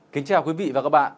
kính chào quý vị và các bạn